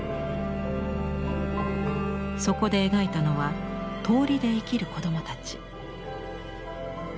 そこで描いたのは通りで生きる子どもたち。